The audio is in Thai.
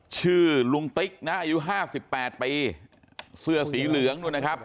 ชื่อลุงติ๊กนะอายุห้าสิบแปดปีเสื้อสีเหลืองนู่นนะครับ